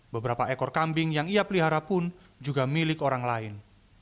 beberapa ekor kambing yang ia pelihara pun juga milik orang lain